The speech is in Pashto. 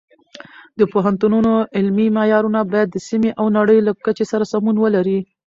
د پوهنتونونو علمي معیارونه باید د سیمې او نړۍ له کچې سره سمون ولري.